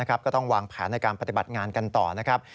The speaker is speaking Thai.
ก็ต้องวางแผนในการปฏิบัติงานกันต่อนะครับ